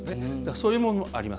そういうものもあります。